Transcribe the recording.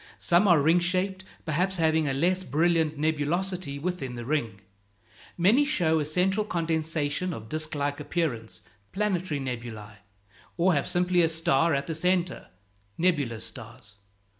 Some are ring shaped, perhaps having a less brilliant nebulosity within the ring. Many show a central condensation of disk like appearance (planetary nebulæ), or have simply a star at the centre (nebulous stars).